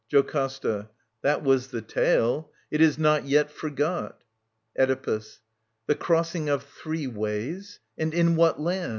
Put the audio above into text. JOCASTA. That was the tale. It is not yet forgot. Oedipus. The crossing of three ways I And in what land i 4a »T.